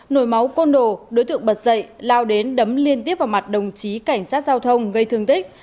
nổi máu côn đồ đối tượng bật dậy lao đến đấm liên tiếp vào mặt đồng chí cảnh sát giao thông gây thương tích